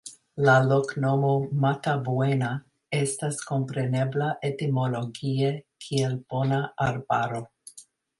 La loknomo "Matabuena" estas komprenebla etimologie kiel Bona Arbaro.